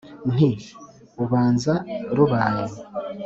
Nti: ubanza rubaye